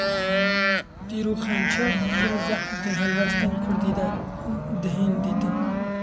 Tîr û xencer pir zehf di helbestên kurdî de dihên dîtin